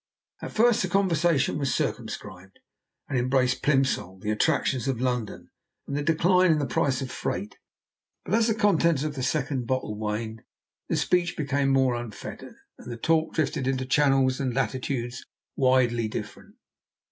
At first the conversation was circumscribed, and embraced Plimsoll, the attractions of London, and the decline in the price of freight; but, as the contents of the second bottle waned, speech became more unfettered, and the talk drifted into channels and latitudes widely different.